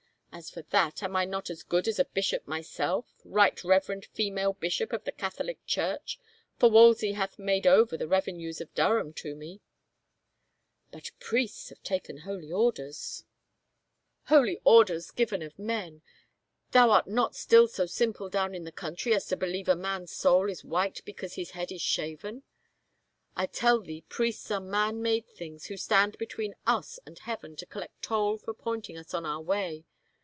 As for that, am I not as good as a bishop myself — right reverend female bishop of the Catholic Church, for Wolsey hath made over the revenues of Durham to me." " But priests have taken holy orders —" i68 IN HEVER CASTLE " Holy orders given of men. Thou art not still so simple down in the country as to believe a man's soul is white because his head is shaven? I tell thee priests are man made things who stand between us and heaven to collect toll for pointing us on our way.